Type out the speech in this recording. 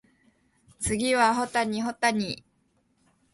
次は保谷保谷